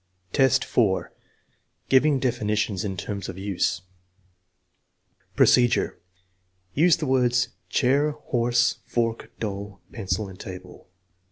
TEST NO. V, 4 107 V, 4. Giving definitions in terms of use Procedure. Use the words: Chair 9 horse, fork, doll, pencil, and table.